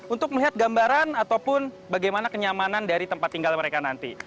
untuk melihat gambaran ataupun bagaimana kenyamanan dari tempat tinggal mereka nanti